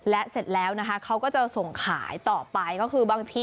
และเสร็จแล้วเขาก็จะส่งขายต่อไป